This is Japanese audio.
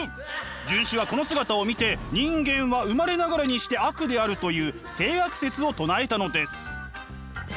荀子はこの姿を見て人間は生まれながらにして悪であるという性悪説を唱えたのです。